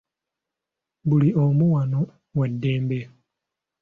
Buli omu wano wa ddembe.